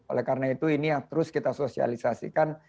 oleh karena itu ini yang terus kita sosialisasikan